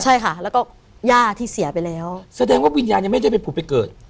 ใช่ค่ะแล้วก็ย่าที่เสียไปแล้วแสดงว่าวิญญาณยังไม่ได้ไปผุดไปเกิด